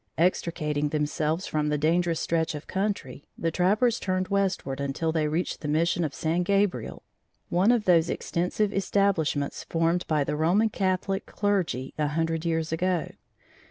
Extricating themselves from the dangerous stretch of country, the trappers turned westward until they reached the mission of San Gabriel, one of those extensive establishments formed by the Roman Catholic clergy a hundred years ago.